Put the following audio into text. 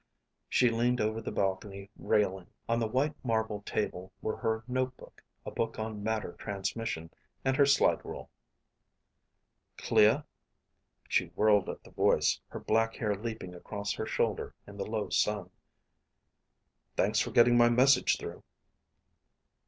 She leaned over the balcony railing. On the white marble table were her notebook, a book on matter transmission, and her slide rule. "Clea." She whirled at the voice, her black hair leaping across her shoulder in the low sun. "Thanks for getting my message through."